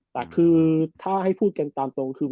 แต่คือถ้าให้พูดกันตามตรงคือ